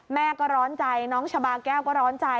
แม่ก็ร้อนใจน้องชาบาแก้วก็ร้อนใจ